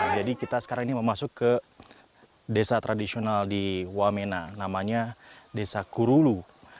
jadi kita sekarang ini memasuki desa tradisional di wamena namanya desa kurulu